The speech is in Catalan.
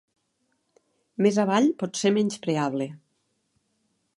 Més avall pot ser menyspreable.